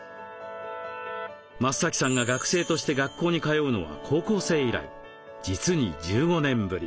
増さんが学生として学校に通うのは高校生以来実に１５年ぶり。